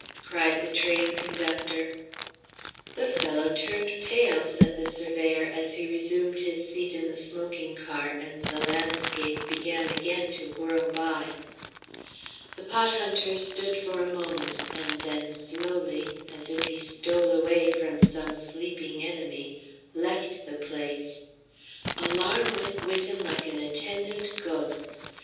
cried the train conductor. "The fellow turned pale," said the surveyor, as he resumed his seat in the smoking car and the landscape began again to whirl by. The pot hunter stood for a moment, and then slowly, as if he stole away from some sleeping enemy, left the place. Alarm went with him like an attendant ghost.